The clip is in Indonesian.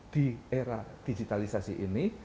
di era digitalisasi ini